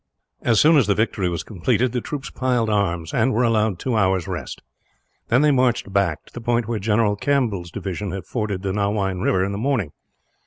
As soon as the victory was completed, the troops piled arms; and were allowed two hours' rest. Then they marched back, to the point where General Campbell's division had forded the Nawine river in the morning.